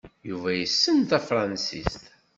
Yuba issen tafṛansist.